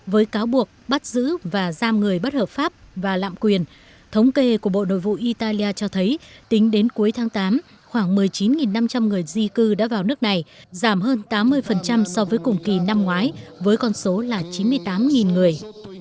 với cáo buộc bắt giữ và giam người bất hợp pháp và lạm quyền thống kê của bộ nội vụ italia cho thấy tính đến cuối tháng tám khoảng một mươi chín năm trăm linh người di cư đã vào nước này giảm hơn tám mươi so với cùng kỳ năm ngoái với con số là chín mươi tám người